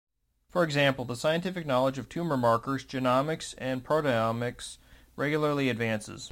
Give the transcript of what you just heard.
For example, the scientific knowledge of tumor markers, genomics, and proteomics regularly advances.